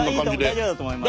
大丈夫だと思います。